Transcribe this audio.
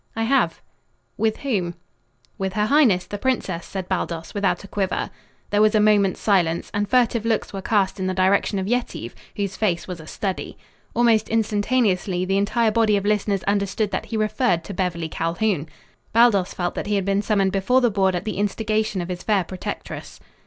"I have." "With whom?" "With her highness, the princess," said Baldos, without a quiver. There was a moment's silence, and furtive looks were cast in the direction of Yetive, whose face was a study. Almost instantaneously the entire body of listeners understood that he referred to Beverly Calhoun. Baldos felt that he had been summoned before the board at the instigation of his fair protectress.